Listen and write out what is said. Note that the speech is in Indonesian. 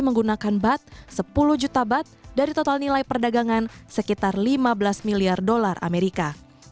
menggunakan bat sepuluh juta bat dari total nilai perdagangan sekitar lima belas miliar dolar amerika